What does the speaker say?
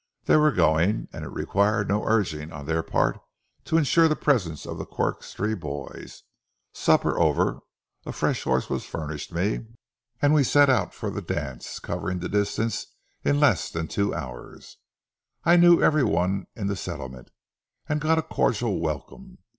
They were going, and it required no urging on their part to insure the presence of Quirk's three boys. Supper over, a fresh horse was furnished me, and we set out for the dance, covering the distance in less than two hours. I knew nearly every one in the settlement, and got a cordial welcome.